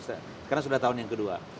sekarang sudah tahun yang kedua